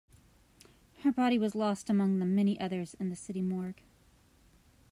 Her body was lost among the many others in the city morgue.